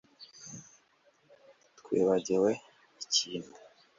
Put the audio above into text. Twibagiwe ikintu